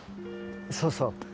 そうそう。